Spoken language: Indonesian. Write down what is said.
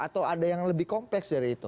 atau ada yang lebih kompleks dari itu